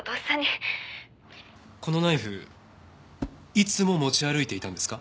このナイフいつも持ち歩いていたんですか？